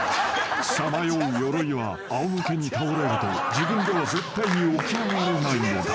［さまようヨロイはあお向けに倒れると自分では絶対に起き上がれないのだ］